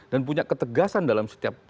dan punya ketegasan dalam setiap